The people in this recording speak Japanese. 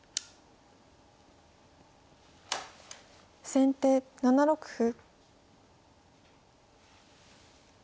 先手７六歩。